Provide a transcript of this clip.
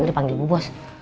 ini dia panggil bu bos